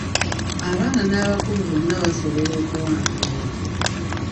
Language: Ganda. Abaana n'abakulu bonna basobola okuwambibwa.